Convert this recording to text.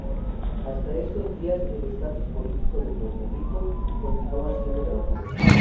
Hasta estos días, el estatus político de Puerto Rico continúa siendo debatido.